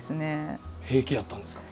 平気やったんですか？